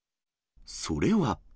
それは。